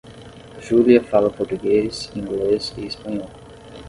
Júlia fala Português, Inglês e Espanhol.